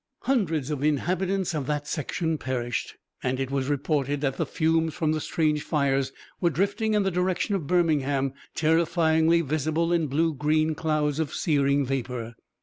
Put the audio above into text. Hundreds of inhabitants of the section perished, and it was reported that the fumes from the strange fires were drifting in the direction of Birmingham, terrifyingly visible in blue green clouds of searing vapor.